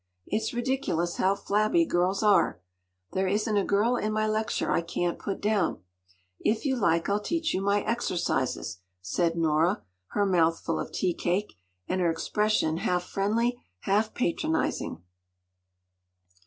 It’s ridiculous how flabby girls are. There isn’t a girl in my lecture I can’t put down. If you like, I’ll teach you my exercises,” said Nora, her mouth full of tea cake, and her expression half friendly, half patronising.